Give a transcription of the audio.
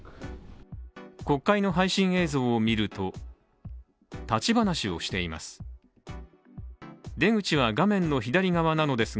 国会の配信映像を見ると、立ち話をしています。